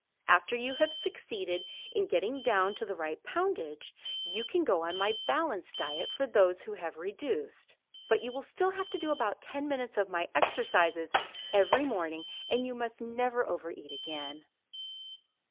After you have succeeded in getting down to the right poundage you can go on my balanced diet for those who have reduced, but you will still have to do about ten minutes of my exercises every morning, and you must never over eat again.